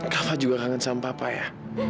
kakak juga kangen sama papa ya